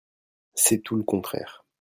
C’est tout le contraire.